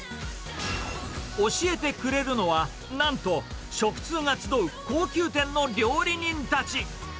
教えてくれるのは、なんと食通が集う高級店の料理人たち。